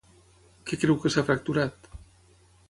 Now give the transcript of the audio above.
Què creu que s'ha fracturat?